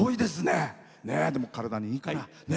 でも、体にいいから。